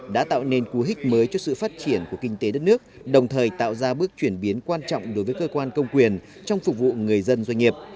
đã tạo nên cú hích mới cho sự phát triển của kinh tế đất nước đồng thời tạo ra bước chuyển biến quan trọng đối với cơ quan công quyền trong phục vụ người dân doanh nghiệp